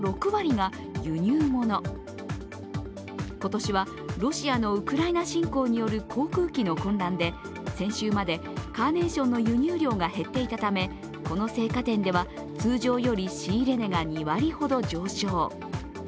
今年はロシアのウクライナ侵攻による航空機の混乱で先週までカーネーションの輸入量が減っていたためこの生花店では通常より仕入れ値が２割ほど上昇。